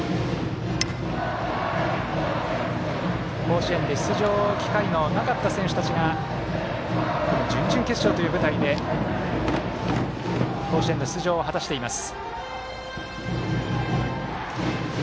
甲子園で出場機会のなかった選手たちが準々決勝という舞台で甲子園の出場を果たしています。